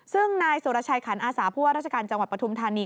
ซึ่งนายสุรชัยขันอาสาผู้ว่าราชการจังหวัดปฐุมธานี